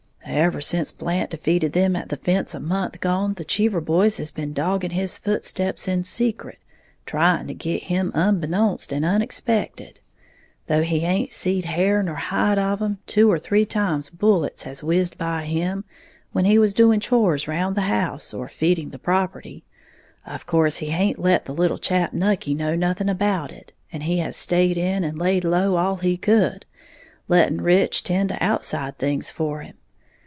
"Ever sence Blant defeated them at the fence a month gone, the Cheever boys has been dogging his footsteps in secret, trying to git him unbeknownst and unexpected. Though he haint seed hair nor hide of 'em, two or three times bullets has whizzed by him when he was doing chores round the house, or feeding the property. Of course he haint let the little chap, Nucky, know nothing about it, and has stayed in and laid low all he could, letting Rich tend to outside things for him.